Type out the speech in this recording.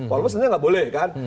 walaupun sebenarnya nggak boleh kan